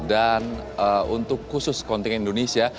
dan untuk khusus kontingen indonesia